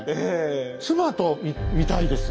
妻と見たいです。